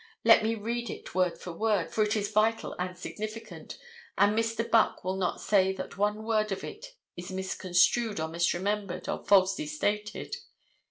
Let me read it word for word, for it is vital and significant and Mr. Buck will not say that one word of it is misconstrued or misremembered or falsely stated.